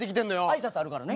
挨拶あるからね。